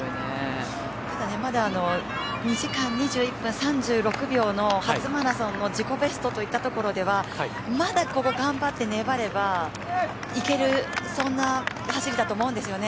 ただまだ２時間２１分３６秒の初マラソンの自己ベストといったところではまだここ、頑張って粘ればいけるそんな走りかと思うんですよね。